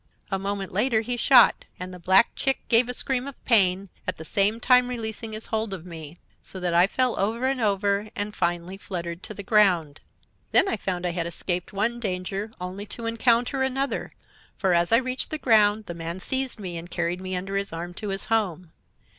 A moment later he shot, and the black chick gave a scream of pain, at the same time releasing his hold of me; so that I fell over and over and finally fluttered to the ground. "Then I found I had escaped one danger only to encounter another, for as I reached the ground the man seized me and carried me under his arm to his home.